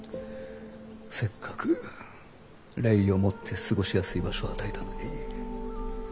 せっかく礼をもって過ごしやすい場所を与えたのに。